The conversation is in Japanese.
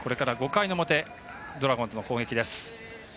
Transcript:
５回の表ドラゴンズの攻撃です。